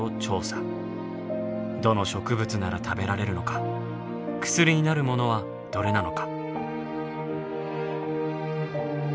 どの植物なら食べられるのか薬になるものはどれなのか。